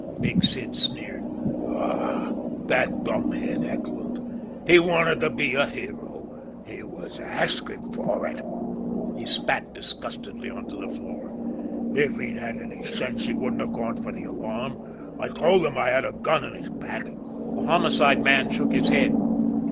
Big Sid sneered. "Ah h, that dumbhead, Eckland! He wanted to be a hero. He was asking for it!" He spat disgustedly onto the floor. "If he'd had any sense, he wouldn't have gone for the alarm. I told him I had a gun in his back!" The Homicide man shook his head.